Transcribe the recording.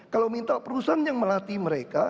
kalau minta perusahaan yang melatih mereka